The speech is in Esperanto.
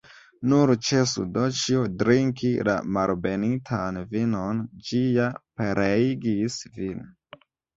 Nur ĉesu, Doĉjo, drinki la malbenitan vinon; ĝi ja pereigis vin!